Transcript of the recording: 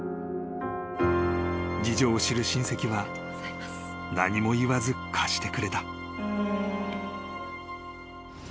［事情を知る親戚は何も言わず貸してくれた］